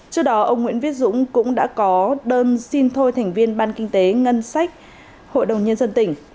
trước đó ông nguyễn viết dũng cũng đã có đơn xin thôi thành viên ban kinh tế ngân sách hội đồng nhân dân tỉnh